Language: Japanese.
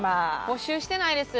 募集してないです。